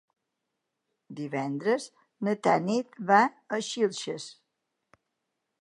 Divendres na Tanit va a Xilxes.